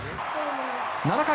７回。